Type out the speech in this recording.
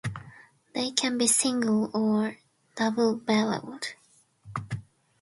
They can be single or double barreled.